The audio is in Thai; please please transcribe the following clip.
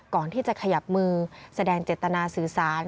ก่อนที่จะขยับมือแสดงเจตนาสื่อสาร